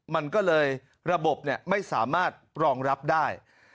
มันก็เลยระบบไม่สามารถรองรับได้